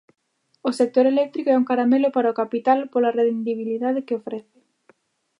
O sector eléctrico é un caramelo para o capital pola rendibilidade que ofrece.